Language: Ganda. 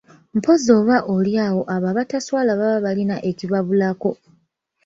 Mpozzi oba oli awo abo abataswala baba balina ekibabulako!